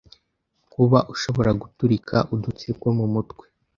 kuba ushobora guturika udutsi two mu mutwe